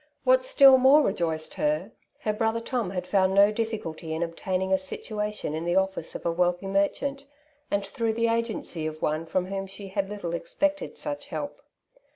What still more rejoiced her^ her brother Tom had fonnd no difficalty in obtaining a situation in the office of a wealthy merchant, and throngh the agency of one fi om whom she had little expected such help.